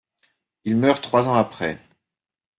Il meurt trois ans après.